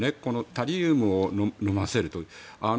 タリウムを飲ませるという。